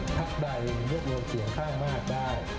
ถ้าได้ง่วงเสียงสล้างผ่านมากได้